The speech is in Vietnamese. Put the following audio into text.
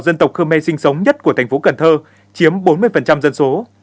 dân tộc khmer sinh sống nhất của thành phố cần thơ chiếm bốn mươi dân số